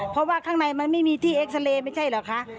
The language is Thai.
เพราะว่าข้างในมันไม่มีที่เอ็กซาเรย์ไม่ใช่เหรอคะ